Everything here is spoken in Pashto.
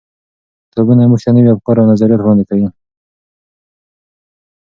کتابونه موږ ته نوي افکار او نظریات وړاندې کوي.